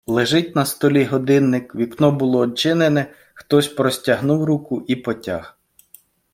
Лежить на столі годинник, вікно було одчинене, хтось простягнув руку і потяг.